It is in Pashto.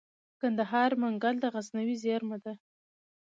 د کندهار منگل د غزنوي زیرمه ده